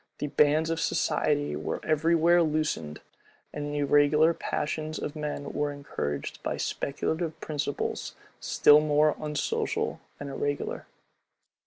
The bands of society were every where loosened; and the irregular passions of men were encouraged by speculative principles, still more unsocial and irregular.